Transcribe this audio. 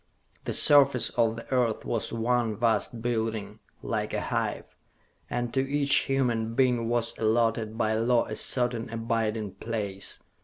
The surface of the Earth was one vast building, like a hive, and to each human being was allotted by law a certain abiding place.